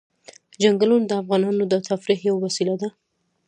چنګلونه د افغانانو د تفریح یوه وسیله ده.